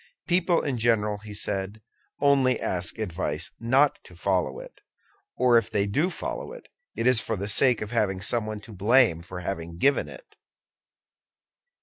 "People, in general," he said, "only ask advice not to follow it; or if they do follow it, it is for the sake of having someone to blame for having given it."